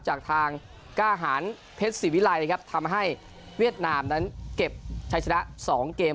จากทางกล้าหันเพชรสิวิลัยทำให้เวียดนามเก็บชัยชนะ๒เกม